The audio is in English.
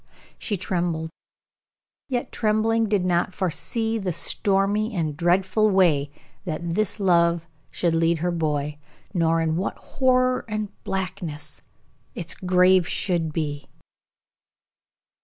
She trembled; yet trembling did not foresee the stormy and dreadful way that this love should lead her boy, nor in what horror and blackness its grave should be!